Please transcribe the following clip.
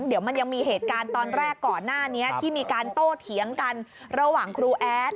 เดี๋ยวมันยังมีเหตุการณ์ตอนแรกก่อนหน้านี้ที่มีการโต้เถียงกันระหว่างครูแอด